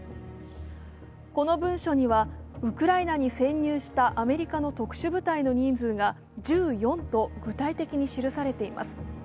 この文書にはウクライナに潜入したアメリカの特殊部隊の人数が１４と具体的に記されています。